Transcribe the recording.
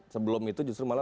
sebelum itu justru malah